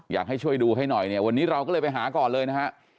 อยากให้ช่วยดูให้หน่อยเนี่ยวันนี้เราก็เลยไปหาก่อนเลยนะฮะ